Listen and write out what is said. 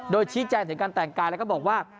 โดยชี้แจงถึงการแต่งกายแล้วก็บอกว่า